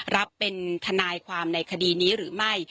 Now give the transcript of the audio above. รับเป็นทนายความในคดีนี้หรือไม่